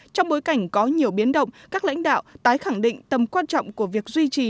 trong bối cảnh có nhiều biến động các lãnh đạo tái khẳng định tầm quan trọng của việc duy trì